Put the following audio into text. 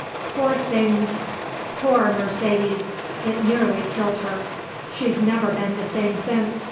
"Poor things! Poor Mercedes! It nearly killed her. She's never been the same since.